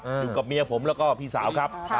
อยู่กับเมียผมแล้วก็พี่สาวครับ